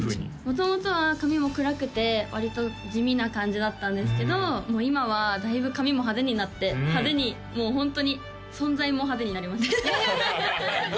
元々は髪も暗くて割と地味な感じだったんですけど今はだいぶ髪も派手になって派手にもうホントに存在も派手になりました